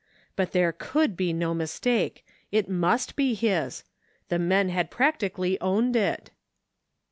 But there could be no mistake. It must be his. The men had practically owned it